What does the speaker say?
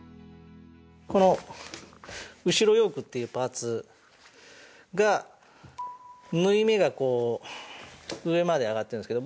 この後ろヨークっていうパーツが縫い目が上まで上がってるんですけど